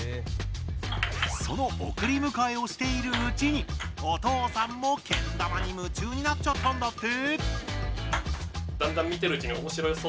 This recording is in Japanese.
その送り迎えをしているうちにお父さんもけん玉に夢中になっちゃったんだって。